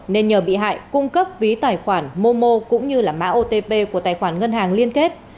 nên nhờ bị hại cung cấp ví tài khoản momo cũng như mã otp của tài khoản ngân hàng liên kết